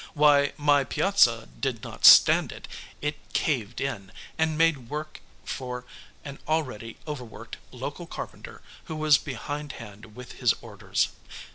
Why, my piazza did not stand it. It caved in, and made work for an already overworked local carpenter who was behind hand with his orders.